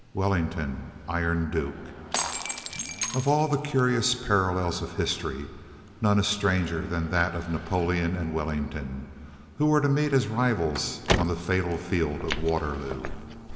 WELLINGTON THE IRON DUKE Of all the curious parallels of history, none is stranger than that of Napoleon and Wellington, who were to meet as rivals on the fatal field of Waterloo.